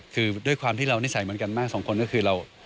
คือด้วยความที่เรานิสัยเหมือนกันมากสองคนก็คือเรา